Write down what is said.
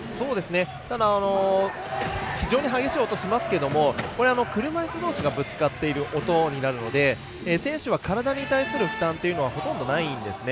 ただ、非常に激しい音がしますけども車いすどうしがぶつかっている音になるので選手は体に対する負担というのはほとんどないんですね。